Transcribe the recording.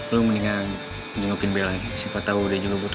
lo mendingan nengokin bella ya siapa tau udah jelobot lu